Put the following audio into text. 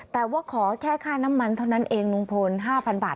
แต่ว่าขอแค่ค่าน้ำมันเท่านั้นเองลุงพล๕๐๐บาท